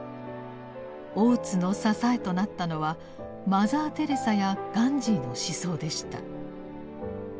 大津の支えとなったのはマザー・テレサやガンジーの思想でした。